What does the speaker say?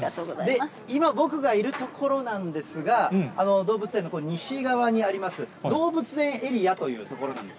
今、僕がいる所なんですが、動物園の西側にあります、動物園エリアという所なんです。